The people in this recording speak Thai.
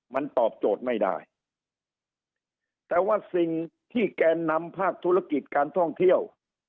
มันตอบโจทย์ไม่ได้แต่ว่าสิ่งที่แกนนำภาคธุรกิจการท่องเที่ยว